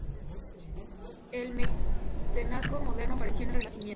El mecenazgo moderno apareció en el Renacimiento.